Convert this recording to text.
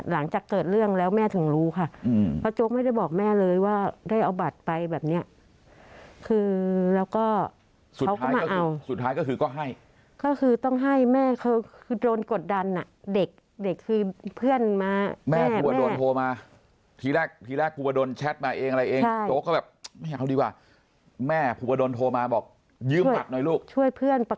หลังจากเกิดเรื่องแล้วแม่ถึงรู้ค่ะเพราะโจ๊กไม่ได้บอกแม่เลยว่าได้เอาบัตรไปแบบเนี้ยคือแล้วก็สุดท้ายก็คือสุดท้ายก็คือก็ให้ก็คือต้องให้แม่คือโดนกดดันอ่ะเด็กเด็กคือเพื่อนมาแม่กลัวโดนโทรมาทีแรกทีแรกภูวดลแชทมาเองอะไรเองโจ๊กก็แบบไม่เอาดีกว่าแม่ภูวดลโทรมาบอกยืมบัตรหน่อยลูกช่วยเพื่อนป